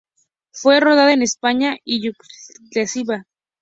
Fue rodada en España y Yugoslavia.